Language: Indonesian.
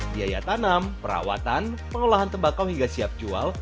biaya tanam perawatan pengolahan tembakau hingga siap jual